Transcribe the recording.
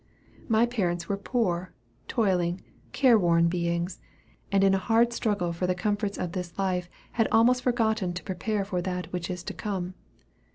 My parents were poor, toiling, care worn beings, and in a hard struggle for the comforts of this life had almost forgotten to prepare for that which is to come.